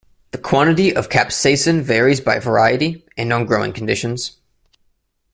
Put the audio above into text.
The quantity of capsaicin varies by variety, and on growing conditions.